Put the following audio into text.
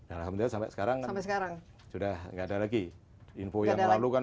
alhamdulillah sampai sekarang sudah tidak ada lagi info yang lalu kan